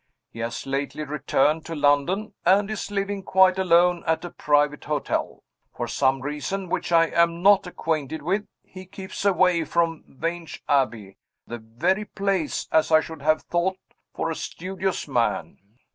He has lately returned to London, and is living quite alone at a private hotel. For some reason which I am not acquainted with, he keeps away from Vange Abbey the very place, as I should have thought, for a studious man."